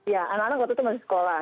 ya anak anak waktu itu masih sekolah